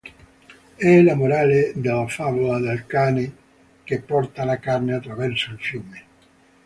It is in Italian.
È la morale della favola del cane che porta la carne attraverso il fiume.